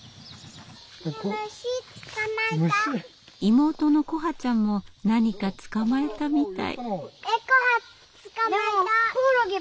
妹の來華ちゃんも何か捕まえたみたい。